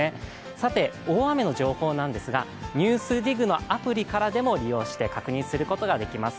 さて、大雨の情報なんですが、「ＮＥＷＳＤＩＧ」のアプリからでも利用して、確認することができます。